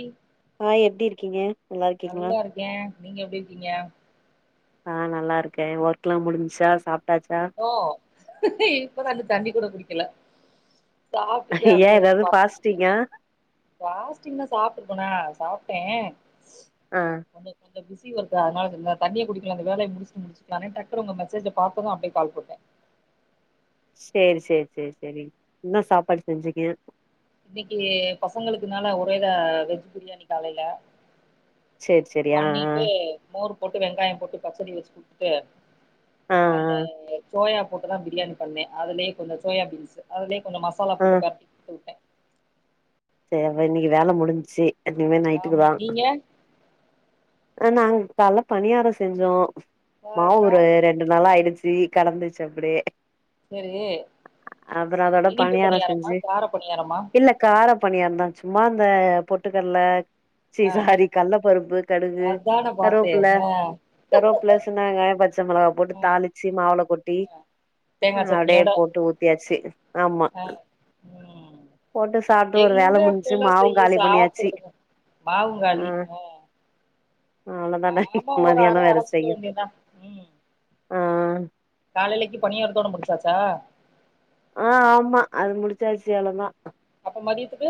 He ஆ எப்படி இருக்கீங்க நல்லா இருக்கீங்களா இருக்கே நீங்க எப்படி இருக்கீங்க நா நல்லா இருக்கே ஒர்க்ல்லா முடிஞ்ச்சா சாப்ட்டாச்சா ஓ இப்பதா இன்னு தண்ணி கூட குடிக்கல சாப்ட்டுட்டு அப்டியே ஒக்காந் டீங்கா பாஸ்டிங்னா சாப்பிட்ருப்பனா சாப்பிட்டே அ [unintelligible] பசி வருதா அதனால தண்ணியே குடிக்கல இந்த வேலைய முடிச்சு முடிச்சலானே டக்குனு உங்க மெசேஜ்ஜ பாத்தது அப்டியே கால் போட்டே சேரி சேரி சேரி சேரி என்ன சாப்பாடு செஞ்சேங்க இன்னைக்கு பசங்களுக்குனால ஒரே இதா வெஜ் பிரியாணி காலைல சேரி சேரி ஆ பண்ணிட்டு ஆ மோர் போட்டு வெங்காயோ போட்டு பச்சடி வச்சு குடுத்துட்டு ஆ அந்த ஆ சோயா போட்டுதா பிரியாணி பண்ணே அதுலயே கொஞ்சோ சோயா பீன்ஸ் அதுலயே கொஞ்சோ மஸ் மசாலா ஆ போட்டு கரச்சி குடுத்து உட்டே சரி அப்ப இன்னைக்கு வேல முடிஞ்ச்சு இனிமே நைட்டுக்கு ஆமா தா நீங்க அப்றோ நாங்க கால்ல பணியாரோ செஞ்சோம் மாவு ஒரு பார்றா ரெண்டு ரெண்டு நாளா ஆயிடுச்சு கெடந்துச்சு அப்டியே செரி அப்றோ அதோட இனிப்பு பணியாரோ பணியாரமா செஞ்சு கார பணியாரமா இல்ல கார பணியாரந்தா சும்மா இந்த பொட்டுக்கடல சீ ஆ சாரி கல்ல பருப்பு [unintelligible] அதான பாத்தே கருவாப்புல ஆ கருவாப்புல சின்ன வெங்காயோ பச்ச மிளகா போட்டு ஆ தாளிச்சு மாவுல கொட்டி தேங்கா சட்னியோட ன்ட்டு ஊத்தியாச்சு ஆமா ஆ ம் போட்டு சாப்ட்டு ஒரு வேல எங்க முடிஞ்சு இப்பிலா மாவு செய்யி காலி பண்ணியாச்சு சாப்படுறது ஆ மாவுங்காலி ம் அவ்ளோதான அர மதியானோ வேற அரச்சுக்க செய்யனு வேண்டியதா ஆ காலைையிலக்கு பனியாரத்தோட முடிச்சாச்சா ஆ ஆமா அது முடிச்சாச்சு அவ்ளோ தா அப்ப மதியத்துக்கு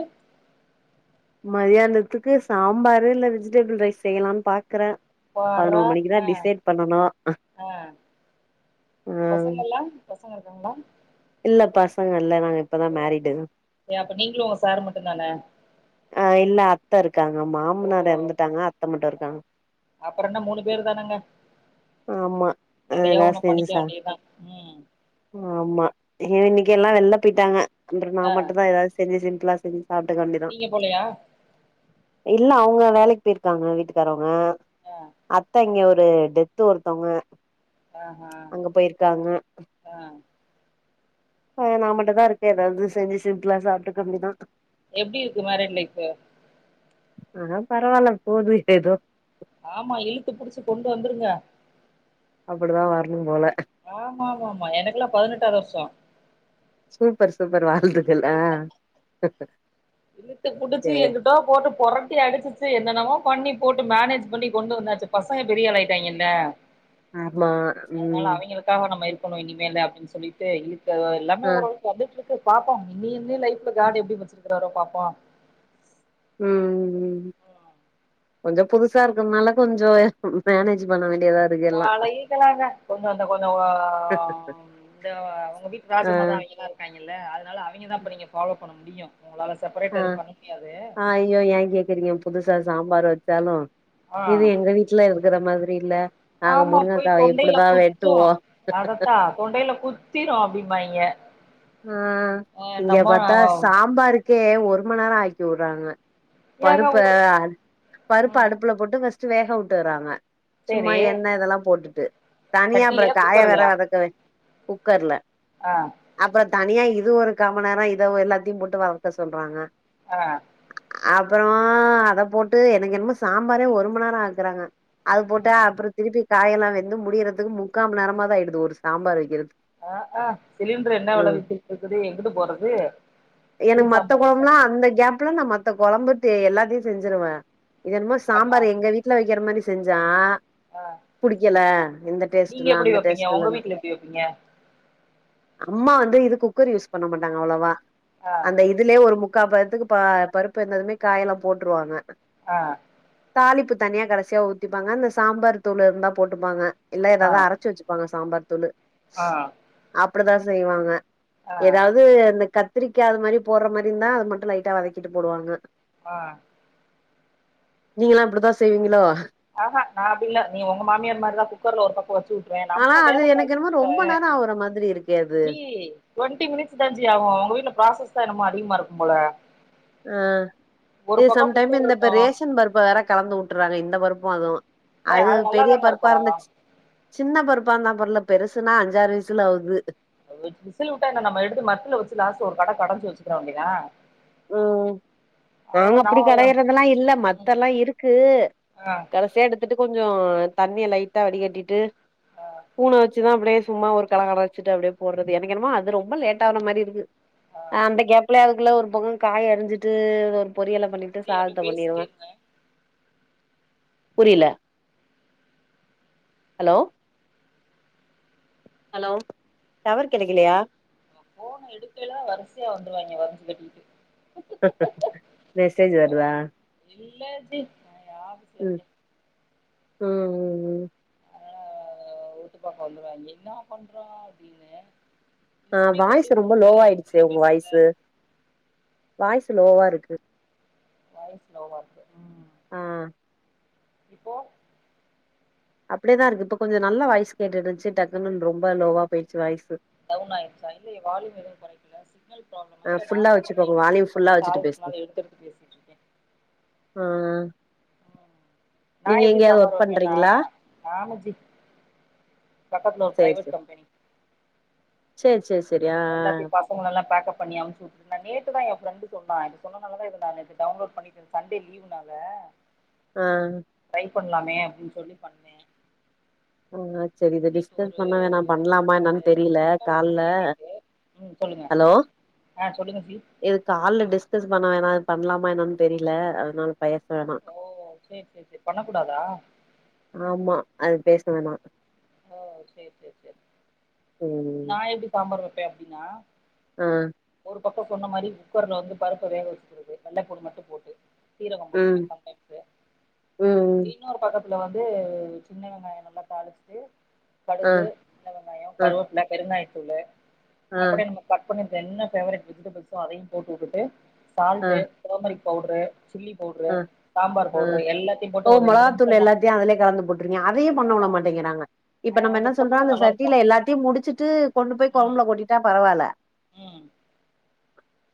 மதியானத்துக்கு சாம்பாரு இல்ல வெஜிடபிள் ரைஸ் செய்யலாம்னு பாக்குறே பார்றா பதினோரு மணிக்குதா ஆ டிசைட் பண்ணணு ஆ ஆ பசங்கல்லா பசங்க இருக்காங்களா இல்ல பசங்க இல்ல நாங்க இப்பதா மேரிடு ஏ அப்ப நீங்களு உங்க சாரு மட்டுந்தான ஆ இல்ல அத்த இருக்காங்க ஓ மாமனார் இறந்துட்டாங்க அத்த மட்டு இருக்காங்க அப்றோ என்ன மூணு பேரு தானங்க ஆமா எதையோ அதா ஒன்னு செஞ்சு பண்ணிக்க சா வேண்டிய தா ம் ஆமா ஏன்னா இன்னைக்கு எல்லா வெளில போயிட்டாங்க அப்றோ நா ஆ மட்டு தா ஏதாவது செஞ்சு சிம்பிளா செஞ்சு சாப்ட்டுக்க வேண்டிதா நீங்க போலையா இல்ல அவங்க வேலைக்கு போயிருக்காங்க வீட்டுக்காரவங்க ஆ அத்த இங்க ஒரு டெத்து ஒருத்தவங்க ஆஹா அங்க போயிருக்காங்க ஆ ஹ் நா மட்டுந்தா இருக்கே ஏதாவது செஞ்சு சிம்பிளா சாப்பிட்டுக்க வேண்டி தா எப்டி இருக்கு மேரேஜ் லைஃப்பு ஆனா பரவால்ல போது ஏதோ ஆமா இழுத்து புடிச்சு கொண்டு வந்துருங்க அப்டிதா வரணு போல ஆமா ஆமா ஆமா எனக்குெல்லா பதினெட்டாவது வருஷோ சூப்பர் சூப்பர் வாழ்த்துகள் ஆ இழுத்து புடிச்சி சேரி தோ போட்டு பொரட்டி அடிச்சிச்சு என்னனமோ பண்ணி போட்டு மேனேஜ் பண்ணி கொண்டு வந்தாச்சு பசங்க பெரியாளாயிட்டாங்கல ஆமா ம் க்காக நம்ம இருக்கணு இனிமேலு அப்டின் சொல்லிட்டு இருக்கதோ எல்லாமே ஆ ஒரு வந்துட்ருக்கு பாப்போ இனி வந்து லைஃப்ல கார்ட்டு எப்டி வச்சிக்கிறாரோ பாப்போ ம் ம் ம் கொஞ்சோ புதுசா இருக்கனால கொஞ்சோ மேனேஜ் பண்ண வேண்டியதா இருக்கு எல்லா பழகிகலாங்க கொஞ்சோ அந்த கொஞ்சோ இந்தோ அவுங் வீட்டு ஆ ராஜமா தா அவைங்களா இருக்காங்கல்ல அதனால அவைங்கதா இப்ப நீங்க ஃபாலோ பண்ண முடியு உங்களாள சேப்பரேட் ஆ ஐய்யோ ஏன் கேக்குறீங்க புதுசா சாம்பார் வச்சாலு ஆ இது எங்க வீட்ல இருக்குற மாதிரி இல்ல நாங்க ஆமா போய் முருங்கக்காவ தொண்டைல இப்டிதா குத்து வெட்டுவோ அதத்தா தொண்டைல குத்திரும் அப்டிம்பாய்ங்க ஆ ஆ இங்க என்னமோ பாத்தா நாம சாம்பாருக்கே ஒரு மண் நேரோ ஆக்கி வுட்றாங்க ஏங்க பருப்ப ஒரு பருப்ப ம் அடுப் ப்புல போட்டு ஃபர்ஸ்ட்டு வேக வுட்டுறாங்க சும்மா சேரி எண்ண இதல்லா போட்டுட்டு தனியா அப்றோ சட்டிலயா காய வெற குக்கர்லயா வதக்க குக்கர்ல ஆ அப்ற தனியா இது ஒரு காமண்நேரோ இத எல்லாத்தையு போட்டு வதக்க சொல்றாங்க ஆ அப்பறமா அத போட்டு எனக் என்னமோ சாம்பாரே ஒரு மண் நேரோ ஆக்குறாங்க அது போட்டா அப்பற திருப்பி காயல்லா வெந்து முடியறதுக்கு முக்காமண்நேரமாது ஆயிடுது ஒரு சாம்பார் வக்கிறத் ஆ ஆ சிலிண்ட்ரு என்ன வெல வித்துட்ருக்குது எங்கிட்டு போறது எனக்கு எப்டி மத்த சாம்பார் வச்சாலு குழம்புலாம் அந்த கேப்ல நா மத்த கொழம்பு டே எல்லாத்தியு செஞ்சிருவ இது என்னமோ ஆமா சாம்பார் எங்க வீட் ட்ல வக்கிற மாரி செஞ்சா ஆ புடிக்கல இந்த டேஸ்ட்டுல்லா அந்த டேஸ்ட்டுல்ல எப்பிங்க அம்மா வந்து இது குக்கர் யூஸ் பண்ண மாட்டாங்க அவ்ளவா ஆ அந்த இ துலே ஒரு முக்கா பதத்துக்கு பா பருப்பு வெந்ததுமே காயெல்லா போட்ருவாங்க ஆ தாளிப்பு தனியா கடைசியா ஊத்திப்பாங்க அந்த சாம்பார் தூளு இருந்தா போட்டுப்பாங்க இல்ல ஆ ஏதாது அரச்சு வச்சுப்பாங்க சாம்பார் தூளு ஆ இப்டி தா செய்வாங்க ஏதா து இந்த கத்திரிக்கா அது மாரி போட்ற மாரி இருந்தா அது மட்டு லைட்டா வதக்கிட்டு போடுவாங்க ஆ நீங்களு அப்டித்தா செய்வீங்ளோ ஆஹ நா அப்டி இல்ல நீ ஒங்க மாமியார் மாரி தா குக்கர்ல ஒரு பக்கோ வச்சு வுட் ங்க ஆனா நம்ம அது வேல எனக்கு என்னமோ பாக்கனுல்ல ரொம்ப நேரோ ஆவுற மாதிரி இருக்கே அது ஜி டுவெண்டி மினிட்ஸ் தா ஜிஆகு உங்க வீட்ல ப்ராசஸ் தா என்னமோ அதிகமா இருக்கும்போல அ இது சம்டைம் குக்கர் இந்த இப்ப இருக்கும் ரேஷன் பருப்ப வேற கலந்து வுட்டுற்றாங்க இந்த பருப்பும் அதுவு ஏ அது அது பெரிய நல்லாதாங்க பருப்பா இருக்கும் இருந்துச் சின்ன பருப்பா இருந்தா பரவால்ல பெருசுன்னா அஞ்சாறு விசுல் ஆவ்து விசில் வுட்டா என்ன நம்ம எடுத்து மத்துல வச்சு லாஸ்ட் ஒரு கட கடஞ்சி வச்சுக்கிற வேண்டி தா உம் இப்பவு நா அப்டி கடயறதெல்லா இல்ல ம் மத்தெல்லா இருக்கு ஆ கடைசியா எடுத் துட்டு கொஞ்சோ தண்ணிய லைட்டா வடி கட்டிட்டு ஆ பூன வச்சிதும் அப்டியே சும்மா ஒரு கலகலச்சிட்டு அப்டியே போட்றது எனக்கு என்னமோ அது ரொம்ப லேட் ஆன மாறிஇருக்கு ஆ அந்த கேப்ல அதுக்குள்ள ஒரு பக்கோ காய அறிஞ்சிட்டு ஒரு பொரியல பண்ணி ட்டு ஜி அப்டியே சாதத்த பண்ணிருவ பேசிட்டே இருங்க புரியல ஹலோ ஹலோ டவர் கெடைக்கலயா ஃபோன எடுக்கைல வரிசையா வந்துருவாய்ங்க வரிஞ்சு கட்டிட்டு மெசேஜ் வருதா இல்ல ஜி நா ஆபீஸ்ல ம் இருக்கேன் ம் ம் ம் தொட்டு பாக்க வந்துருவாய்ங்க என்னா பண்றோ அப்டின்னு அ வாய்ஸ் ஸ்பீக்கர்லயும் போட ரொம்ப முடியாது அப்ப லோவாயிடுச்சு நம்ம உங்க பேசுறத வாய்ஸ்சு வாய்ஸ் லோவா இருக்கு வாய்ஸ் லோவா இருக்கு ம் ஆ இப்போ அப்டே தா இருக்கு இப்ப கொஞ்சோ நல்லா வாய்ஸ் கேட்டுட்டு இருந்திஞ்ச் டக்குன்னனு ரொம்ப லோவா போயிடுச்சு வாய்ஸு டவுன் ஆயிருச்சா இல்லயே வாலிம் எதுவு கொறைக்கல சிக்னல் ப்ராப்ளமா ஆ இல்ல நா ஃபுல்லா தா கொஞ்சோ வச்சுக்கோங்க எடுத்து வால்யூம் எடுத்து ஃபுல்லா பக்கத்துல ஆளு வச்சுட்டு பேசுங்க இருக்கனால எடுத்து எடுத்து பேசிட்டு இருக்கே ம் நா எப்டி சாம்பார் ஒர்க் வெக்கன்னா பண்றீங்களா நானுஜி பக்கத்துல ஒரு பிரைவேட் கம்பெனி சேர் சேர் சேரி அ ஆ கில எல்லா பேக்கப் பண்ணி அனுப்ச்சி விட்டு நா நேத்துதா என் ஃப்ரெண்டு சொன்ன நீ சொன்னதுனால தா நா நேத்து டவுன்லோட் பண்ணி சண்டே லீவ்னால அ ட்ரை பண்லாமே அப்டின்னு சொல்லி பண்னே ம் சேரி இத நேத்து டிஸ்கஸ் ஒரு பண்ண வேணா எத்தன பண்ணலாமா என்னன்னு காலு தெரில அஞ்சு கால் கால்ல பேசுனே ஹலோ அ சொல்லுங்க ட்யூட் இது கால்ல டிஸ்கஸ் பண்ண வேணா இது பண்லாமா என்னான்னு தெரியல அதனால வயசு வேணா ஓ சேரி சேரி சேரி பண்ணக்கூடாதா ஆமா அது பேச வேணா ஓ சேர் சேர் சேர் ம் நா எப்டி சாம்பார் வெப்பே அப்டின்னா அ ஒரு பக்கோ சொன்ன மாறி குக்கர்ல வந்து பருப்ப வேக வச்சுக்கறது வெள்ள பூண்டு மட்டு போட்டு சீரக ம் போட்டுக்குவ சம் டைம்ஸ்சு ம் அப்டியே இன்னொரு பக்கத்துல வந்து சின்ன வெங்காய நல்லா தாளிச்சுட்டு ஆ கடுகு சின்ன வெங்காய ஆ கருவப்புல பெருகாயத்தூள் ஆ அப்டியே நம்ம கட் பண்ணிட் என்ன ஃபேவரட் வெஜிடபுள்ஸ்சோ அதையு போட்டு உட்டுட்டு ஆ salt turmeric powder chilli powder ஆ சாம்பார் ஆ பவுட்ரு எல்லாத்தையு போட்டு ஒரு ரெண்டு நிமிஷோ தா விட்ருங்க அதையு பண்ண விட ஆமா மாட்டிங்கிறாங்க இப்ப நம்ம என்ன அது சொல்றோ போட்டாதா அந்த நல்லா இருக்கு சட்டியில எல்லாத்தையு முடிச்சுட்டு கொண்டு போய் ம் கொழம்ப்ல கொட்டிட்டா பரவால்ல ம்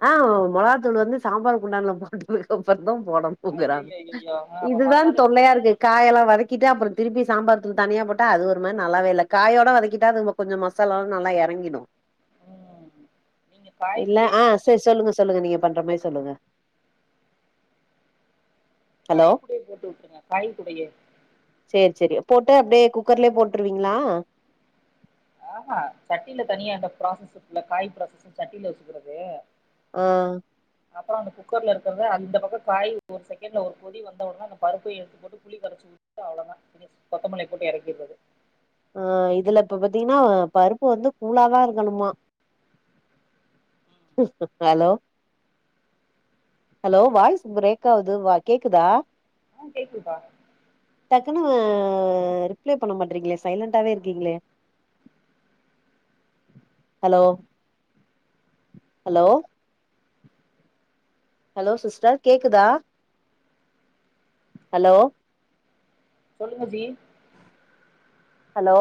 ஆ மொளாகாதூள் வந்து சாம்பார் குண்டான்ல போட்டதக்கு அப்றோ தா போடணு குக்குறாங். ஐயய்யய்யய்யோ ஆ அப்ப இதுதா மசாலே தொல்லையாருக்கு புடிக்காதே காயெல்லா வதக்கிட்டு அப்றோ திருப்பி சாம்பார் தூள் தனியா போட்டா அது ஒரு மாதிரி நல்லாவே இல்ல காயோட வதக்கிட்டா கொஞ்சோ மசாலாவு நல்லா எறங்கிடு ம் நீங்க காய் இல்ல கூடயே ஆ போடுங்க செர் சொல்லுங்க சொல்லுங்க நீங்க பண்ற மாரி சொல்லுங்க ஹலோ காய்குடே போட்டு வுட்டுர்ங்க காய்குடயே செர் செரி போட்டு அப்டியே குக்கர்லேயே போட்டுருவீங்களா ஆஹ்ஹான் சட்டியில தனியா அந்த ப்ராசஸ் இருக்குல்ல காய் ப்ராசஸு சட்டியில வச்சுகிறது ஆ அப்பறோ அந்த குக்கர்ல இருக்குறத அந்த பக்கோ காய் ஒரு செகண்ட்ல ஒரு கொதி வந்த ஒட்னே அந்த பருப்பையு எடுத்து போட் இது புளி கரச்சு ஊத்திட்டு அவ்ளோதா ஃபினிஷ் கொத்தமல்லி போட்டு எறக்கிர்றது ஆ இதுல இப்ப பாத்தீங்கன்னா பருப்பு வந்து கூலாதா இருக்கணுமா ஹலோ ஹலோ வாய்ஸ் ப்ரேக் ஆவுது வ கேக்குதா ஆ கேக்குதுகா டக்குன்னு ரிப்ளே பண்ண மாட்றீங்களே சைலண்டாவேருக்கீங்களே ஹலோ ஹலோ ஹலோ சிஸ்டர் கேக்குதா ஹலோ சொல்லுங்க ஜி ஹலோ